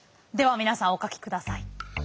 では皆さんお書きください。